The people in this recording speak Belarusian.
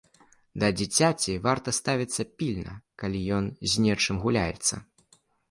Да дзіцяці варта ставіцца пільна, калі ён з нечым гуляецца.